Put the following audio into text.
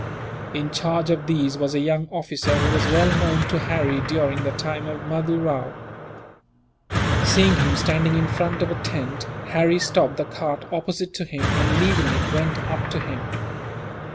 In charge of these was a young officer, who was well known to Harry during the time of Mahdoo Rao. Seeing him standing in front of a tent, Harry stopped the cart opposite to him and, leaving it, went up to him.